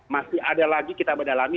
masih ada lagi kita berdalami